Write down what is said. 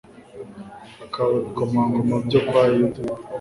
hakaba ibikomangoma byo kwa Yuda